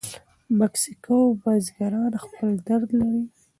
مکسیکو بزګران خپل درد لري.